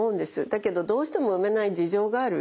だけどどうしても産めない事情がある。